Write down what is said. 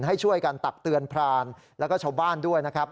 ให้ช่วยกันตักเตือนพรานแล้วก็ชาวบ้านด้วยนะครับ